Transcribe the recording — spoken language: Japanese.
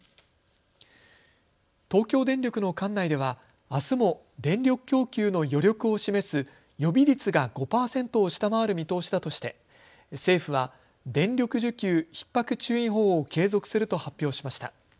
東京電力の管内ではあすも電力供給の余力を示す予備率が５％を下回る見通しだとして政府は電力需給ひっ迫注意報を継続すると発表しました。